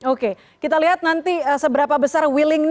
oke kita lihat nanti seberapa besar willingnya